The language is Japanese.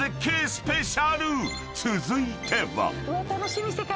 ［続いては］